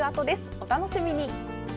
お楽しみに！